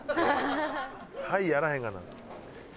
「はい」やあらへんがな。